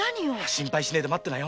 心配しねえで待ってなよ。